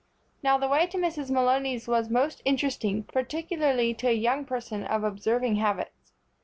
Now, the way to Mrs. Malony's was most interesting, particularly to a young person of observing habits.